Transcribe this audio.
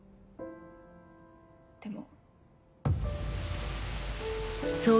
でも。